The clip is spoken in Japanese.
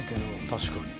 ［確かに］